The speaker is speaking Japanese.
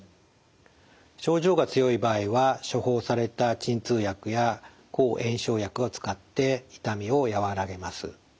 症状が強い場合は処方された鎮痛薬や抗炎症薬を使って痛みをやわらげます。